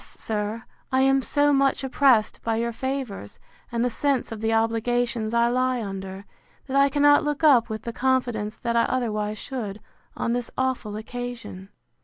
sir, I am so much oppressed by your favours, and the sense of the obligations I lie under, that I cannot look up with the confidence that I otherwise should, on this awful occasion.